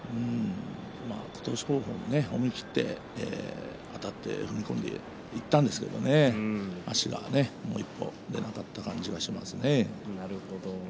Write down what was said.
琴勝峰も思い切ってあたっていったんですけれども足がもう一歩出なかった感じがしますね。